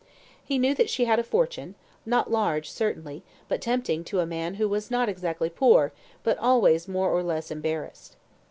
He knew that she had a fortune not large, certainly, but tempting to a man who was not exactly poor, but always more or less embarrassed.